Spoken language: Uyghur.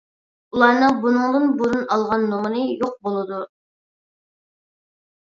ئۇلارنىڭ بۇنىڭدىن بۇرۇن ئالغان نومۇرى يوق بولىدۇ.